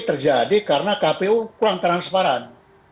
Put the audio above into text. terjadi karena kpu kurang transparan